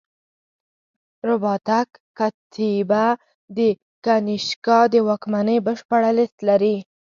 د رباطک کتیبه د کنیشکا د واکمنۍ بشپړه لېست لري